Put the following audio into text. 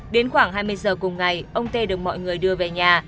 đến khoảng hai mươi h cùng ngày ông t được mọi người đưa về nhà